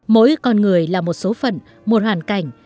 mỗi con người là một số phận một hoàn cảnh